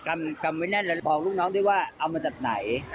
กำไว้แน่นเลยบอกลูกน้องด้วยว่าเอามาจากไหน